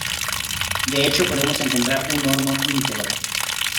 De hecho podemos encontrar un horno íntegro.